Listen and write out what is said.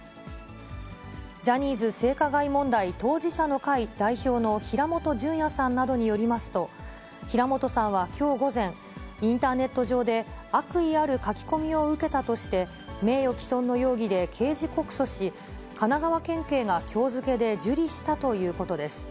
ジャニーズ性加害問題当事者の会代表の平本淳也さんなどによりますと、平本さんはきょう午前、インターネット上で悪意ある書き込みを受けたとして、名誉毀損の容疑で刑事告訴し、神奈川県警がきょう付けで受理したということです。